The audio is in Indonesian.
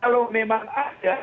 kalau memang ada